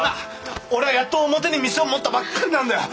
俺はやっと表に店を持ったばっかりなんだよ。